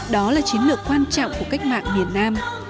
đó là chiến lược quan trọng của cách mạng miền nam